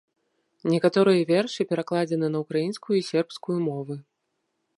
Некаторыя вершы перакладзены на украінскую і сербскую мовы.